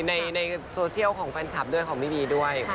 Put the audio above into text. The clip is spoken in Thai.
ในโซเชียลของแฟนทรัพย์ด้วยของมิดีด้วย